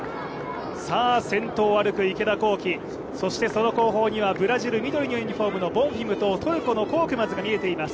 先頭を歩く池田向希、その後方にはブラジル緑のユニフォームとコークマズが見えています。